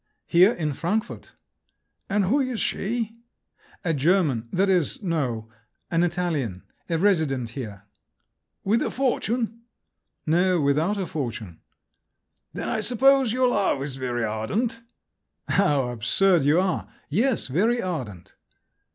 "Here in Frankfort." "And who is she?" "A German; that is, no—an Italian. A resident here." "With a fortune?" "No, without a fortune." "Then I suppose your love is very ardent?" "How absurd you are! Yes, very ardent."